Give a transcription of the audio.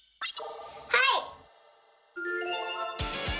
はい！